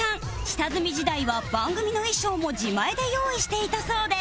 下積み時代は番組の衣装も自前で用意していたそうで